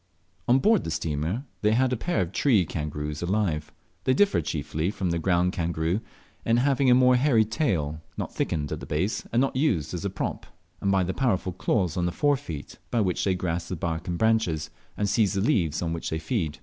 On board the steamer they had a pair of tree kangaroos alive. They differ chiefly from the ground kangaroo in having a more hairy tail, not thickened at the base, and not used as a prop; and by the powerful claws on the fore feet, by which they grasp the bark and branches, and seize the leaves on which they feed.